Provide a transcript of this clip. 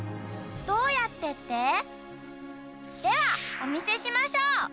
どうやってって？ではおみせしましょう。